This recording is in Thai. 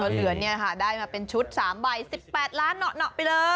เหลือเนี่ยค่ะได้มาเป็นชุด๓ใบ๑๘ล้านเหนาะไปเลย